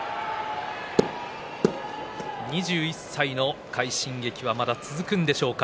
２１歳の快進撃はまだ続くんでしょうか。